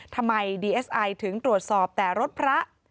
ทำไมดีเอสไอถึงตรวจสอบแต่รถพระ